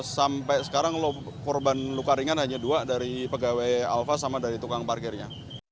sampai sekarang korban luka ringan hanya dua dari pegawai alpha sama dari tukang parkirnya